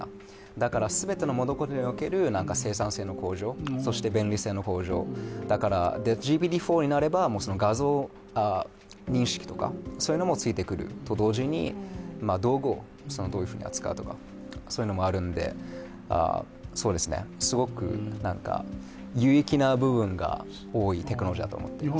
だから全ての物事における生産性の向上そして便利性の向上、４になれば画像認識とかもついてくると同時に、道具をどういうふうに扱うのかとかもあるのですごく有益な部分が多いテクノロジーだと思っています。